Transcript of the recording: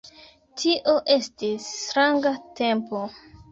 Tio estis stranga tempo!